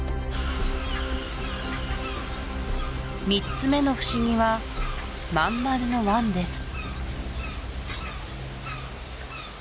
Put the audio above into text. ３つ目の不思議は真ん丸の湾です